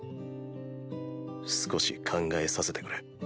少し考えさせてくれ。